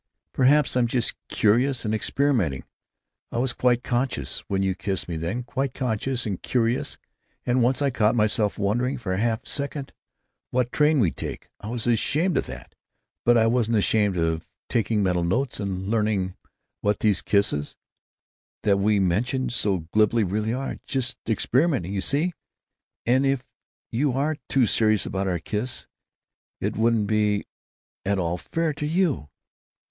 Perhaps I'm just curious, and experimenting. I was quite conscious, when you kissed me then; quite conscious and curious; and once I caught myself wondering for half a second what train we'd take. I was ashamed of that, but I wasn't ashamed of taking mental notes and learning what these 'kisses,' that we mention so glibly, really are. Just experimenting, you see. And if you were too serious about our kiss, it wouldn't be at all fair to you."